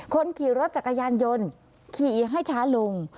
คนขี่รถจักรยานยนต์ขี่ให้ช้าลง